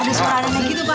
ada suara aneh aneh gitu pak